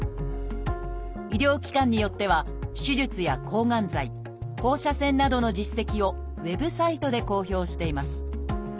医療機関によっては手術や抗がん剤放射線などの実績をウェブサイトで公表しています。